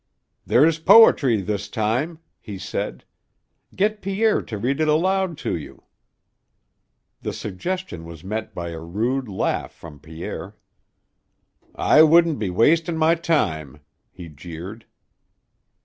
"There's poetry this time," he said. "Get Pierre to read it aloud to you." The suggestion was met by a rude laugh from Pierre. "I wouldn't be wastin' my time," he jeered.